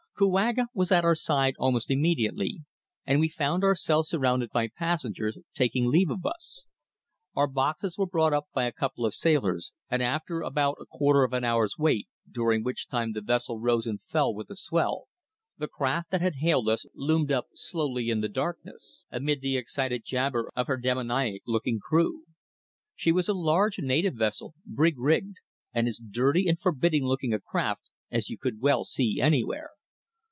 Kouaga was at our side almost immediately, and we found ourselves surrounded by passengers taking leave of us. Our boxes were brought up by a couple of sailors, and after about a quarter of an hour's wait, during which time the vessel rose and fell with the swell, the craft that had hailed us loomed up slowly in the darkness, amid the excited jabber of her demoniac looking crew. She was a large native vessel, brig rigged, and as dirty and forbidding looking a craft as you could well see anywhere.